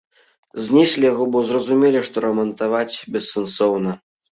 Знеслі яго, бо зразумелі, што рамантаваць бессэнсоўна.